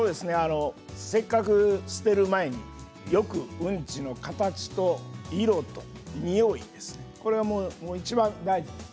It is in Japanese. せっかく捨てる前によくうんちの形と色とにおいいちばん大事です。